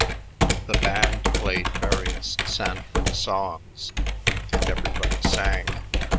The band played various Sanford songs, and everybody sang.